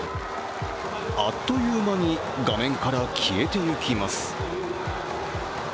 あっという間に画面から消えてゆきます。